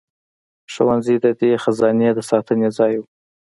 ښوونځي د دې خزانې د ساتنې ځای وو.